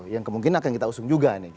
yang kemungkinan akan kita usung juga